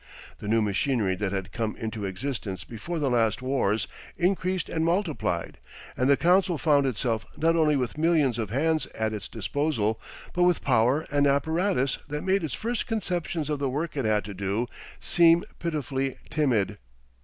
The new machinery that had come into existence before the last wars increased and multiplied, and the council found itself not only with millions of hands at its disposal but with power and apparatus that made its first conceptions of the work it had to do seem pitifully timid.